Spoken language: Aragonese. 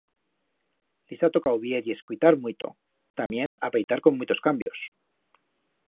Lis ha tocau vier y escuitar muito, tamién apeitar con muitos cambios.